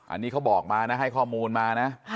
อันนี้เขาบอกมานะให้ข้อมูลมานะ